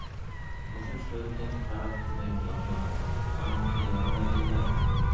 -مۇشۇ سۆلىتىڭگە قاراپ كۈلمەي بولامدۇ؟ -زاڭلىق قىلىۋەرمە دەيمەن!